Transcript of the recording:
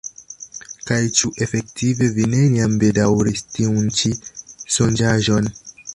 Kaj ĉu efektive vi neniam bedaŭris tiun ĉi sonĝaĵon?